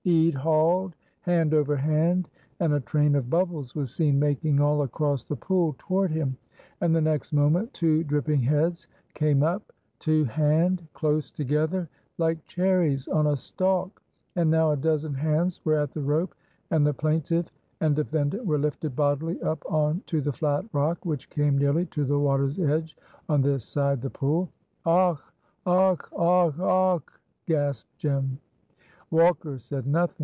Ede hauled hand over hand, and a train of bubbles was seen making all across the pool toward him. And the next moment two dripping heads came up to hand close together, like cherries on a stalk; and now a dozen hands were at the rope, and the plaintiff and defendant were lifted bodily up on to the flat rock, which came nearly to the water's edge on this side the pool. "Augh! augh! augh! augh!" gasped Jem. Walker said nothing.